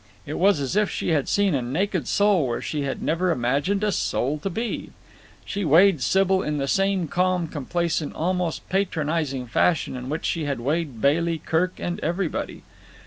It was as if she had seen a naked soul where she had never imagined a soul to be. She had weighed Sybil in the same calm, complacent almost patronizing fashion in which she had weighed Bailey, Kirk, everybody.